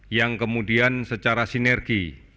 yang kemudian secara sinergi